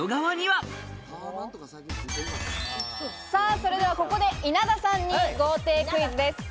それではここで稲田さんに豪邸クイズです。